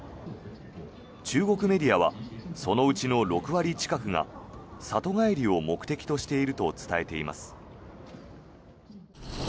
中国メディアはそのうちの６割近くが里帰りを目的としていると伝えています。